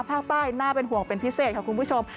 น่าเป็นห่วงเป็นพิเศษค่ะคุณผู้ชม